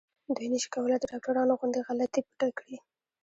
دوی نشي کولای د ډاکټرانو غوندې غلطي پټه کړي.